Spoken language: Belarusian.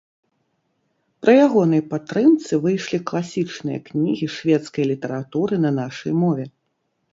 Пры ягонай падтрымцы выйшлі класічныя кнігі шведскай літаратуры на нашай мове.